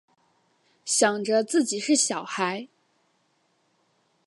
想着自己是小孩